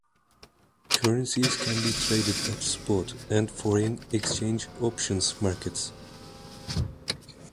Currencies can be traded at spot and foreign exchange options markets.